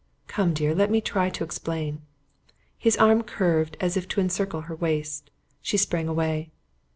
Come, dear, let me try to explain." His arm curved as if to encircle her waist. She sprang away.